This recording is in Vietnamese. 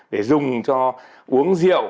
để dùng cho uống rượu